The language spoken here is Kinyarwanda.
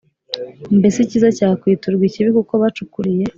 Mbese icyiza cyakwiturwa ikibi Kuko bacukuriye